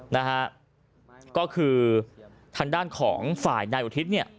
นะฮะก็คือทางด้านของฝ่ายนายอุทิศเนี่ย